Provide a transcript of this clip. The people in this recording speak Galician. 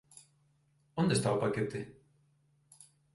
Onde está o paquete?